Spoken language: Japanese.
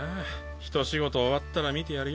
ひと仕事終わったら見てやるよ。